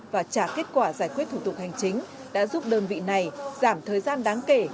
và trả kết quả giải quyết thủ tục hành chính đã giúp đơn vị này giảm thời gian đáng kể